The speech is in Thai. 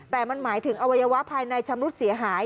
แต่มันหมายถึงอวัยวะภายในชำรุดเสียหาย